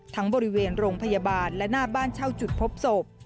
ทั้งบริเวณโรงพยาบาลและหน้าบ้านเช่าจุดพบศพ